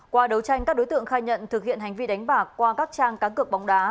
qua đấu tranh các đối tượng khai nhận thực hiện hành vi đánh bạc qua các trang cá cược bóng đá